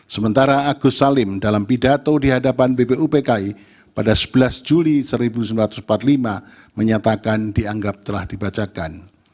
sementara agus salim dalam pidato di hadapan bpupki pada sebelas juli seribu sembilan ratus empat puluh lima menyatakan dianggap telah dibacakan